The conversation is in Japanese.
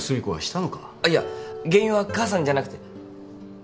あっいや原因は母さんじゃなくて。